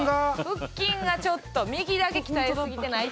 腹筋がちょっと右だけ鍛えすぎてない？